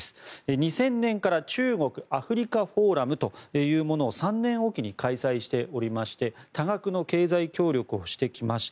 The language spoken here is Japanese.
２０００年から中国・アフリカフォーラムというものを３年おきに開催しておりまして多額の経済協力をしてきました。